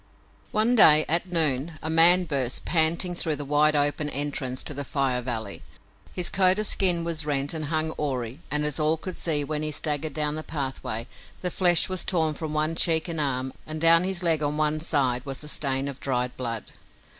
One day, at noon, a man burst, panting, through the wide open entrance to the Fire Valley. His coat of skin was rent and hung awry and, as all could see when he staggered down the pathway, the flesh was torn from one cheek and arm, and down his leg on one side was the stain of dried blood.